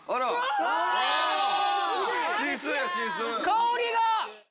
香りが！